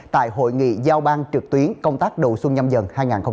tại hội nghị giao ban trực tuyến công tác độ xuân nhâm dần hai nghìn hai mươi hai